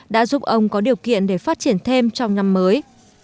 đã giúp ông có điều kiện để phát triển thêm trong năm mới